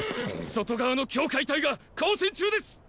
外側の羌隊が交戦中です！